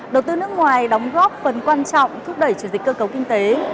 đầu tư nước ngoài đóng góp phần quan trọng thúc đẩy chuyển dịch cơ cấu kinh tế